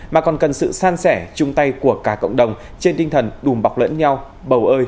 mà còn cần sự san sẻ chung tay của cả cộng đồng trên tinh thần đùm bọc lẫn nhau bầu ơi